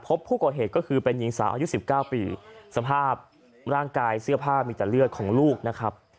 พบผู้ก่อเหตุก็คือเป็นหญิงสาวอายุ๑๙ปีสภาพร่างกายเสื้อผ้ามีแต่เลือดของลูกนะครับ